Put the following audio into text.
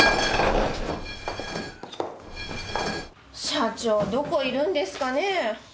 社長どこいるんですかね。